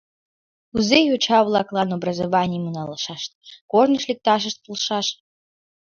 Кузе йоча-влаклан образованийым налашышт, корныш лекташышт полшаш?